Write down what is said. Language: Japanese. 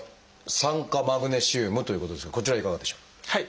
酸化マグネシウムということですがこちらはいかがでしょう？